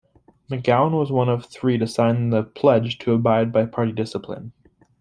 McGowen was one of three to sign the "pledge" to abide by party discipline.